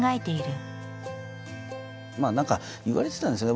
まあ何か言われてたんですよね。